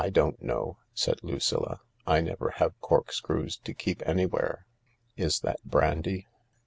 "/ don't know," said Lucilla. "I never have cork screws to keep anywhere. Is that brandy